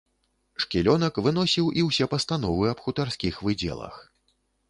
Шкілёнак выносіў і ўсе пастановы аб хутарскіх выдзелах.